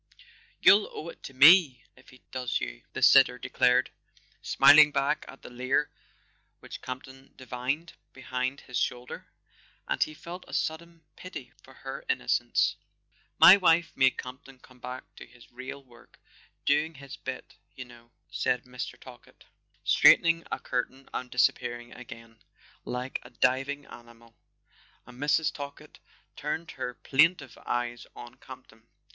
"You'll owe it to me if he does you," the sitter de¬ clared, smiling back at the leer which Campton divined behind his shoulder; and he felt a sudden pity for her innocence. [ 231 ] A SON ON THE FRONT "My wife made Campton come back to his real work—doing his bit, you know," said Mr. Talkett, straightening a curtain and disappearing again, like a diving animal; and Mrs. Talkett turned her plaintive eyes on Campton.